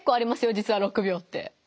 じつは６秒って。